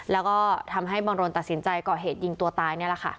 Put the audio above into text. แล้วก็ทำให้บังรนตัดสินใจก่อเหตุยิงตัวตายนี่แหละค่ะ